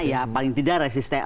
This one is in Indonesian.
ya paling tidak resisten